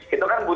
itu kan boleh